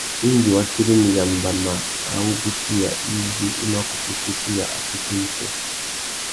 Indi wa tirimiya mbama râ wuguchiya izí i mà kutu sésséya assôtô yissú.